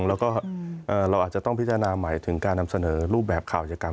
แล้วก็เราอาจจะต้องพิจารณาใหม่ถึงการนำเสนอรูปแบบข่าวยกรรม